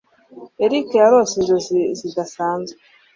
Eric yarose inzozi zidasanzwe.